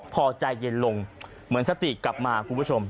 พอใจเย็นลงเหมือนสติกลับมาคุณผู้ชม